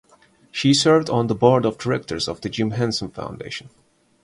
She served on the board of directors of the Jim Henson Foundation.